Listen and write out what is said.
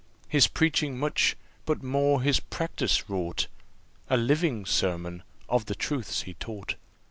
His preaching much, but more his practice wrought, A living sermon of the truths he taught."